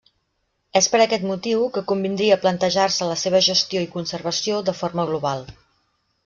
És per aquest motiu que convindria plantejar-se la seva gestió i conservació de forma global.